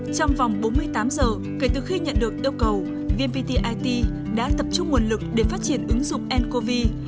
trong vòng bốn mươi tám giờ kể từ khi nhận được yêu cầu vnpt it đã tập trung nguồn lực để phát triển ứng dụng ncov